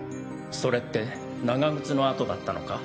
それって長靴の跡だったのか？